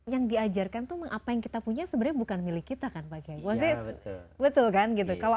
yang diajarkan tuh mengapa yang kita punya sebenarnya bukan milik kita kan pak kiai betul kan gitu kalau